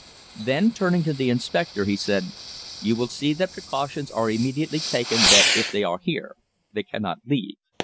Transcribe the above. Then, turning to the inspector, he said, "You will see that precautions are immediately taken that if they are here they cannot leave."